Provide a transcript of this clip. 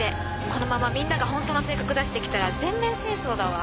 このままみんながホントの性格出して来たら全面戦争だわ。